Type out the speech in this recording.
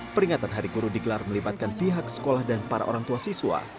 peringatan hari guru digelar melibatkan pihak sekolah dan para orang tua siswa